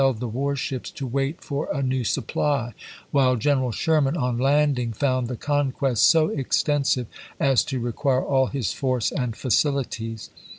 HATTERAS AND PORT ROYAL 19 the war ships to wait for a new supply ; while Gen eral Sherman on landing found the conquest so extensive as to requu e all his force and facilities.